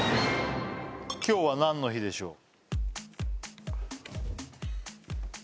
今日は何の日でしょう？